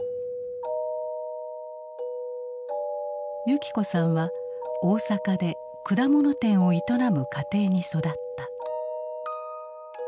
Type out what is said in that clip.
友伎子さんは大阪で果物店を営む家庭に育った。